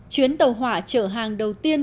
chuyến tàu hỏa trở hàng đầu tiên